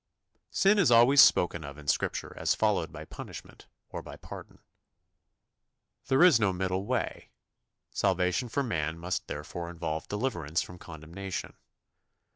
Sin is always spoken of in Scripture as followed by punishment or by pardon. There is no middle way. Salvation for man must therefore involve deliverance from condemnation.